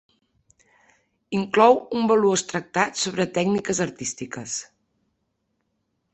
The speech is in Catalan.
Inclou un valuós tractat sobre tècniques artístiques.